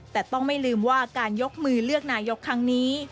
แต่ต้องไม่ลืมว่าการยกมือเลือกนายกครั้งนี้